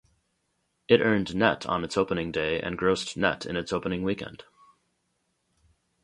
It earned nett on its opening day, and grossed nett in its opening weekend.